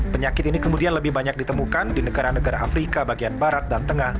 penyakit ini kemudian lebih banyak ditemukan di negara negara afrika bagian barat dan tengah